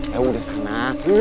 ya udah kesana